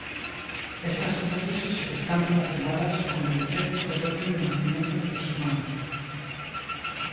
Estas hipótesis están relacionadas con el Efecto del orden de nacimiento de los hermanos.